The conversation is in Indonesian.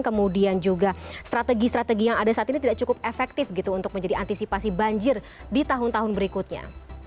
kemudian juga strategi strategi yang ada saat ini tidak cukup efektif gitu untuk menjadi antisipasi banjir di tahun tahun berikutnya